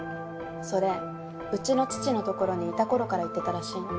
それうちの父のところにいたころから言ってたらしいの。